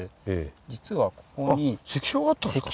実はここに。